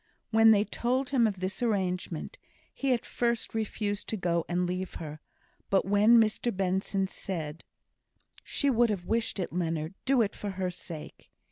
When they told him of this arrangement, he at first refused to go and leave her; but when Mr Benson said: "She would have wished it, Leonard! Do it for her sake!"